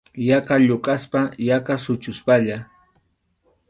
Yaqa lluqaspa, yaqa suchuspalla.